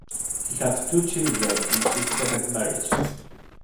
He had two children in his second marriage.